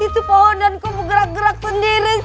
itu pohon dan kamu gerak gerak sendiri sih